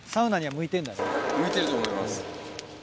向いてると思います。